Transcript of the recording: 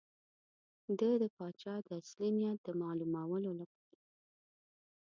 ده د پاچا د اصلي نیت د معلومولو لپاره.